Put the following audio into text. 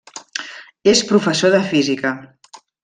És professor de física.